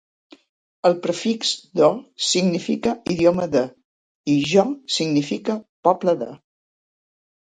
El prefix "dho" significa "idioma de" i "jo" significa "poble de".